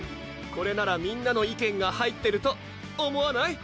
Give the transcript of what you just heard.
これならみんなの意見が入ってると思わない？